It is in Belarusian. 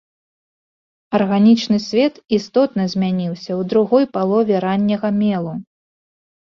Арганічны свет істотна змяніўся ў другой палове ранняга мелу.